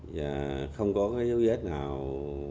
và không có cái dấu vết nào